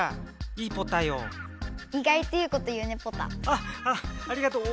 あっあっありがとう。